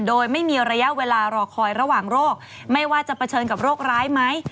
โดยไม่มีระยะเวลารอคอยระหว่างโรคไม่ว่าจะเผชิญกับโรคร้ายไหม